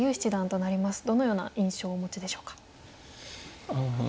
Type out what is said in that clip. どのような印象をお持ちでしょうか？